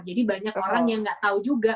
jadi banyak orang yang gak tau juga